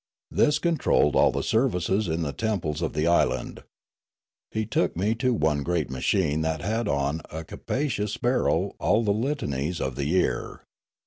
This controlled all the services in the temples of the island. He took me to one great machine that had on a capacious barrel all the litanies of the year.